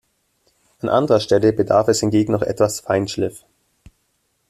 An anderer Stelle bedarf es hingegen noch etwas Feinschliff.